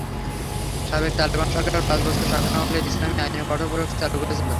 সাবেক তালেবান সরকার পাঁচ বছরের শাসনামলে ইসলামি আইনের কঠোর প্রয়োগ চালু করেছিল।